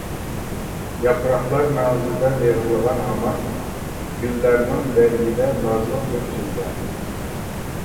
ياپراقلار مەڭزىدە لىغىرلار ھامان، گۈللەرنىڭ بەرگىدە نازلىق بىر جىلۋە.